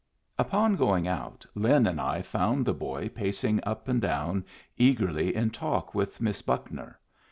Upon going out, Lin and I found the boy pacing up and down, eagerly in talk with Miss Buckner.